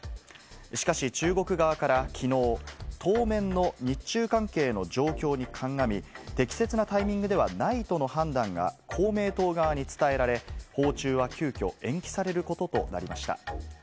しかし中国側からきのう、当面の日中関係の状況に鑑み、適切なタイミングではないとの判断が公明党側に伝えられ、訪中は急きょ、延期されることとなりました。